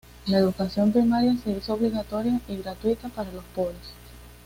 La educación primaria se hizo obligatoria y gratuita para los pobres.